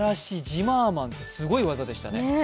ジマーマン、すごい技でしたね。